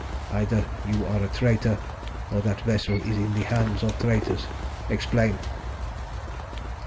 Either you are a traitor, or that vessel is in the hands of traitors. Explain."